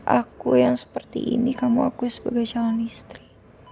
aku yang seperti ini kamu akui sebagai calon istri